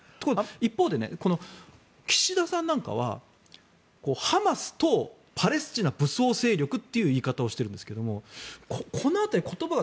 一方で、岸田さんなんかはハマスとパレスチナ武装勢力という言い方をしているんですけどこの辺り、言葉が。